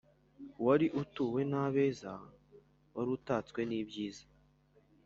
wari utuwe n'abeza wari utatswe n'ibyiza